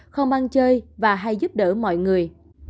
không ăn chơi và hay giúp đỡ mọi người